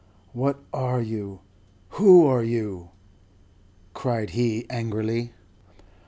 "What are you who are you?" cried he, angrily.